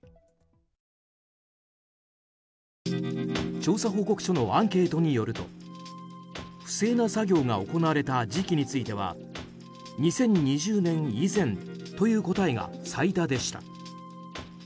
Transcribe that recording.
調査報告書のアンケートによると不正な作業が行われた時期については２０２０年以前という答えが最多でした。